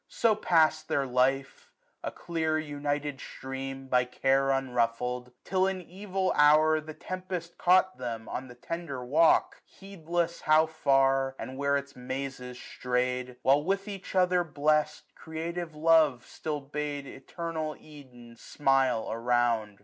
So pass'd their life, a clear united stream. By care unruflfled ; till, in evil hour, 1 190 The tempest caught them on the tender walk. Heedless how far, and where its mazes stray'd j While, with each other blest, creative love Still bade eternal Eden smile around.